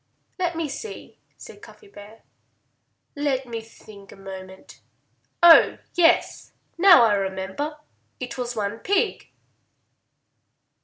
"Let me see," said Cuffy Bear. "Let me think a moment.... Oh, yes! Now I remember. It was one pig!"